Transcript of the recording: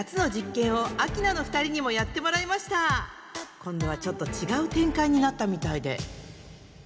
今度はちょっと違う展開になったみたいで。